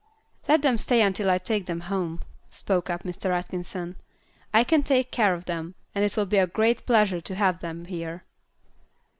"Let them stay till I take them home," spoke up Mr. Atkinson. "I can take care of them, and it will be a great pleasure to have them here."